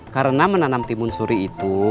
karena menanam timun suri itu